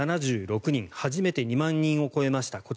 初めて２万人を超えました。